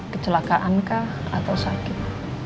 kecelakaankah atau sakit